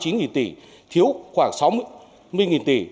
năm ba mươi chín nghìn tỷ thiếu khoảng sáu mươi nghìn tỷ